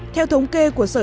theo thống kê của sở